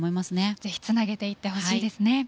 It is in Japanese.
ぜひつなげていってほしいですね。